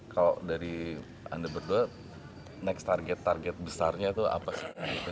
kalau dari anda berdua next target target besarnya itu apa sih